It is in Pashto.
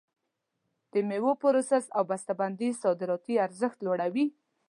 د میوو پروسس او بسته بندي صادراتي ارزښت لوړوي.